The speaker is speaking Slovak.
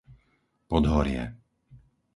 Podhorie